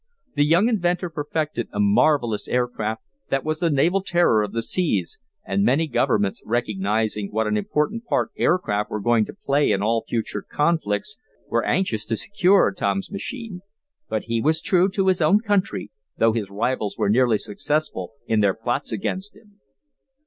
The young inventor perfected a marvelous aircraft that was the naval terror of the seas, and many governments, recognizing what an important part aircraft were going to play in all future conflicts, were anxious to secure Tom's machine. But he was true to his own country, though his rivals were nearly successful in their plots against him.